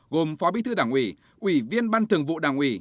gồm phó bí thư đảng ủy ủy viên ban thường vụ đảng ủy